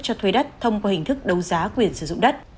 cho thuê đất thông qua hình thức đấu giá quyền sử dụng đất